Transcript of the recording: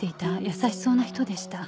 優しそうな人でした。